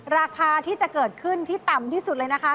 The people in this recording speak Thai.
ราคาที่จะเกิดขึ้นที่ต่ำที่สุดเลยนะคะ